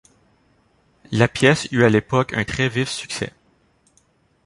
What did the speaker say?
La pièce eut à l’époque un très vif succès.